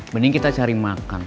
mending kita cari makan